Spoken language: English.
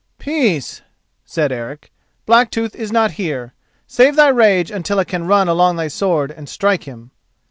"Peace," said Eric. "Blacktooth is not here. Save thy rage until it can run along thy sword and strike him."